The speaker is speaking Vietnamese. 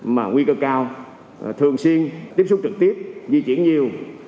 mà nguy cơ cao thường xuyên tiếp xúc trực tiếp di chuyển nhiều